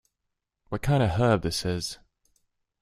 What kind of herb this is?